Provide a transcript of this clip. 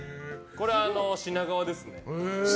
これは品川ですね。